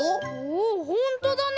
おっほんとだね！